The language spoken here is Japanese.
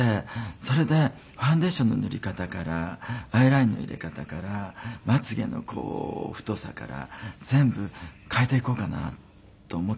それでファンデーションの塗り方からアイラインの入れ方からまつげの太さから全部変えていこうかなと思ったんですね。